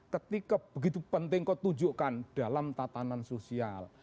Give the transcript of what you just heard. ketika begitu penting kau tunjukkan dalam tatanan sosial